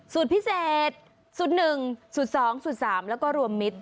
สูตรพิเศษสูตรหนึ่งสูตรสองสูตรสามแล้วก็รวมมิตร